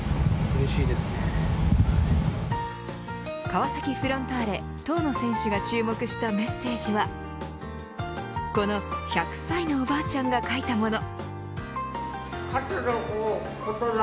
川崎フロンターレ、遠野選手が注目したメッセージはこの１００歳のおばあちゃんが書いたもの。